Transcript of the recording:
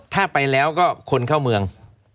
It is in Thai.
ถ้าไปแล้วก็คนเข้าเมือง